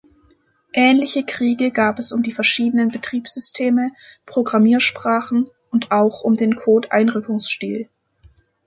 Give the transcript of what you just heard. Ähnliche Kriege gab es um die verschiedenen Betriebssysteme, Programmiersprachen und auch um den Code-Einrückungsstil.